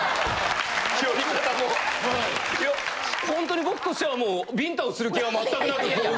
いやほんとに僕としてはもうビンタをする気は全くなく。